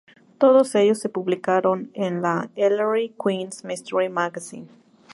Todos ellos se publicaron en la "Ellery Queen Mystery Magazine".